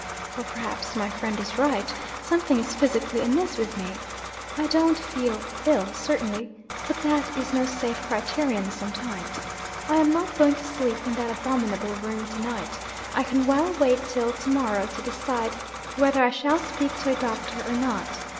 Or, perhaps, my friend is right; something is physically amiss with me? I don't feel ill, certainly. But that is no safe criterion sometimes. I am not going to sleep in that abominable room to night I can well wait till to morrow to decide whether I shall speak to a doctor or not.